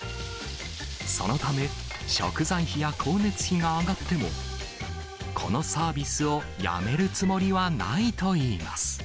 そのため、食材費や光熱費が上がっても、このサービスをやめるつもりはないといいます。